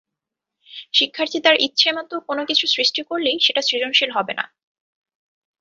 শিক্ষার্থী তার ইচ্ছেমতো কোনো কিছু সৃষ্টি করলেই সেটা সৃজনশীল হবে না।